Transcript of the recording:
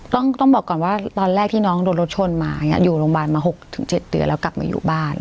ต้องต้องบอกก่อนว่าตอนแรกที่น้องโดนรถชนมาอย่างเงี้ยอยู่โรงพยาบาลมาหกถึงเจ็ดเดือนแล้วกลับมาอยู่บ้าน